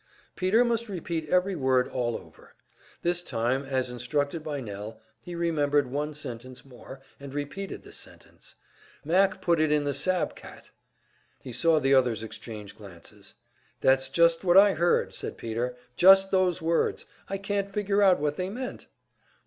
Peter must repeat every word all over. This time, as instructed by Nell, he remembered one sentence more, and repeated this sentence: "Mac put it in the `sab cat.'" He saw the others exchange glances. "That's just what I heard," said Peter "just those words. I couldn't figure out what they meant?"